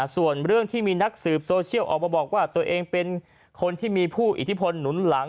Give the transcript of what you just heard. ส่วนเรื่องที่มีนักสืบโซเชียลออกมาบอกว่าตัวเองเป็นคนที่มีผู้อิทธิพลหนุนหลัง